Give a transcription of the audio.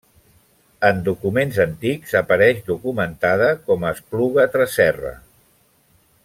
En documents antics apareix documentada com a Espluga Tresserra.